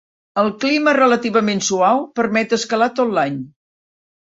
El clima relativament suau permet escalar tot l'any.